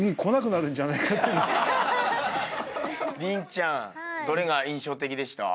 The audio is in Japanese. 麟ちゃんどれが印象的でした？